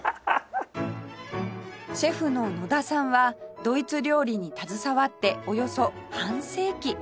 シェフの野田さんはドイツ料理に携わっておよそ半世紀